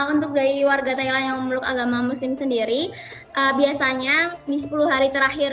untuk dari warga thailand yang memeluk agama muslim sendiri biasanya di sepuluh hari terakhir